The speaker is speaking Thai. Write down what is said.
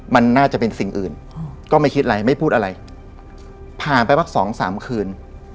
มันน่าจะเป็นสิ่งอื่นก็ไม่คิดอะไรไม่พูดอะไรผ่านไปสักสองสามคืน